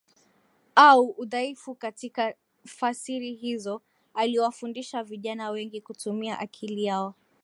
au udhaifu katika fasiri hizo Aliwafundisha vijana wengi kutumia akili yao